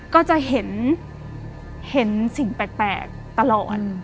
ก็จะเห็นสิ่งแปลกตลอด